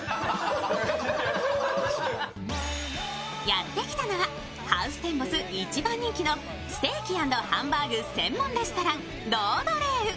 やって来たのはハウステンボス一番人気のステーキ＆ハンバーグ専門レストランロード・レーウ。